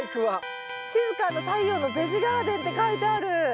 「しづか＆太陽のベジガーデン」って書いてある。